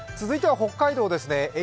続いては北海道です。